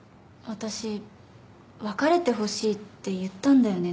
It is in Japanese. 私別れてほしいって言ったんだよね